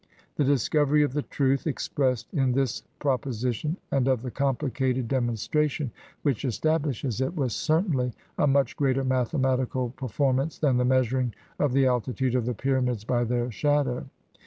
The discovery of the truth expressed in this proposition, and of the complicated demonstration which establishes it, was certainly a much greater mathematical perform ance than the measuring of the altitude of the pyramids by their shadow.